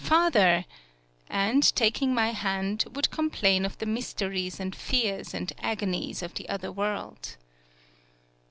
Father!" anoT, tak ing my hand, would complain of the 148 TSUGARU STRAIT mysteries and fears and agonies of the other world.